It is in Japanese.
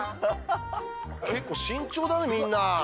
結構慎重だね、みんな。